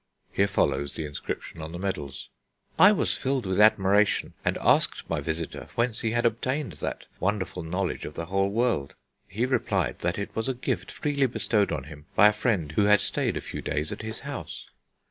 Here follows the inscriptions on the medals. "I was filled with admiration, and asked my visitor whence he had obtained that wonderful knowledge of the whole world. He replied that it was a gift freely bestowed on him by a friend who had stayed a few days at his house."